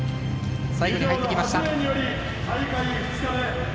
最後に入ってきました。